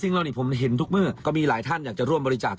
เรานี่ผมเห็นทุกเมื่อก็มีหลายท่านอยากจะร่วมบริจาค